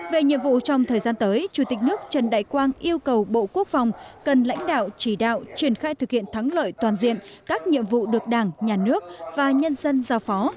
về nhiệm vụ trong thời gian tới chủ tịch nước trần đại quang yêu cầu bộ quốc phòng cần lãnh đạo chỉ đạo triển khai thực hiện thắng lợi toàn diện các nhiệm vụ được đảng nhà nước và nhân dân giao phó